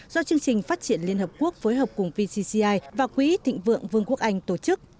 do chương trình phát triển liên hợp quốc phối hợp cùng vcci và quỹ thịnh vượng vương quốc anh tổ chức